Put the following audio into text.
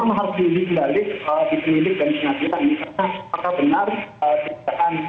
ada beberapa pertanyaan juga